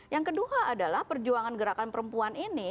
yang kedua adalah perjuangan gerakan perempuan ini